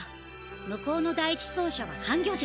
向こうの第一走者は半魚人。